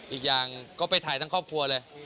อีกอย่างก็ไปถ่ายทั้งครอบครัวเลย